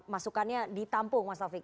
masukannya ditampung mas taufik